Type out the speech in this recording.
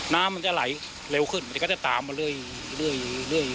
น้ำมันจะไหลเร็วขึ้นมันก็จะตามมาเรื่อยเรื่อย